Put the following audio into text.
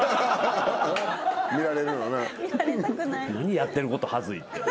やってること恥ずいって。